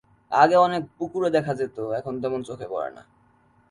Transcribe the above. আগে অনেক পুকুরে দেখা যেত এখন তেমন চোখে পড়ে না।